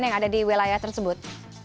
yang ada di wilayah tersebut